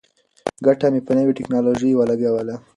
ګټه مې په نوې ټیکنالوژۍ ولګوله.